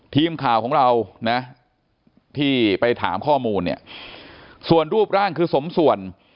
ทีมข่าวของเรานะที่ไปถามข้อมูลเนี่ยส่วนรูปร่างคือสมส่วน